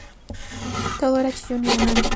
Todo era chillón y banal.